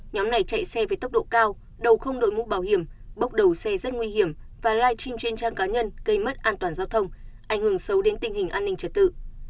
nhóm này chạy xe với tốc độ cao đầu không đội mũ bảo hiểm bốc đầu xe rất nguy hiểm và live stream trên trang cá nhân gây mất an toàn giao thông ảnh hưởng sâu đến tình hình an ninh trật tự